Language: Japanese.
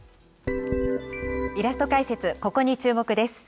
イラスト解説、ここに注目です。